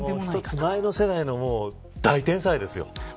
１つ前の世代の大天才ですよ。